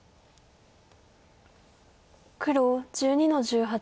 黒１２の十八。